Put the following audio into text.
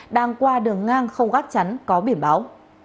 đang qua đường ngang không gác chắn có biển báo